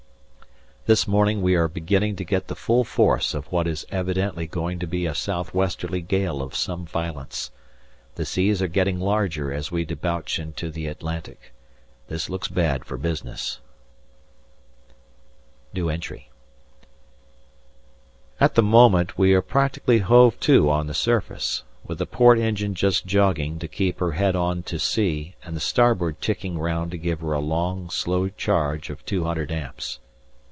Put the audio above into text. This morning we are beginning to get the full force of what is evidently going to be a south westerly gale of some violence. The seas are getting larger as we debouch into the Atlantic. This looks bad for business. At the moment we are practically hove to on the surface, with the port engine just jogging to keep her head on to sea and the starboard ticking round to give her a long, slow charge of 200 amps.